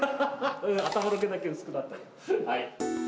頭の毛だけ薄くなったけど。